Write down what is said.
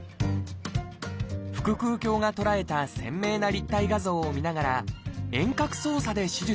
腹腔鏡が捉えた鮮明な立体画像をみながら遠隔操作で手術を行うんです